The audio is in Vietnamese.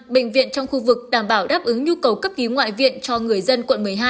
bệnh viện trong khu vực đảm bảo đáp ứng nhu cầu cấp cứu ngoại viện cho người dân quận một mươi hai